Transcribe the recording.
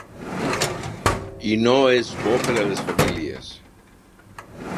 I no és bo per a les famílies.